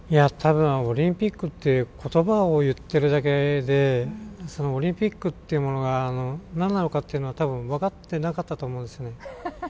多分、オリンピックという言葉を言っているだけでオリンピックというものが何なのかというのは分かっていなかったと思うんです。